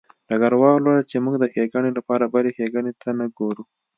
ډګروال وویل چې موږ د ښېګڼې لپاره بلې ښېګڼې ته نه ګورو